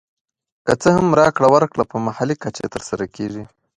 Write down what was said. که څه هم راکړه ورکړه په محلي کچه تر سره کېږي